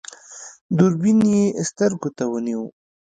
دوربين يې سترګو ته ونيو.